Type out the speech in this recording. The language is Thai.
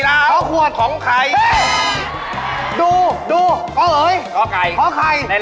แล้วในหนึ่งฝืนสื่อรู้ไหมเนี่ย